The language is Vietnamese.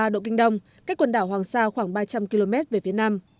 một trăm một mươi một ba độ kinh đông cách quần đảo hoàng sa khoảng ba trăm linh km về phía nam